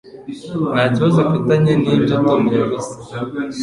Nta kibazo mfitanye nibyo Tom yavuze.